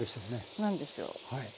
何でしょうね。